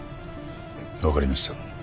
分かりました。